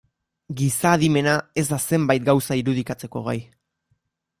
Giza adimena ez da zenbait gauza irudikatzeko gai.